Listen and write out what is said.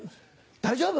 大丈夫？